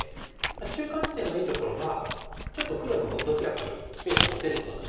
中間地点のいいところはちょっと黒にもどちらかにスペースを持てることなんですね。